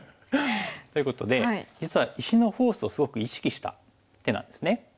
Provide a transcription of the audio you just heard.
ということで実は石のフォースをすごく意識した手なんですね。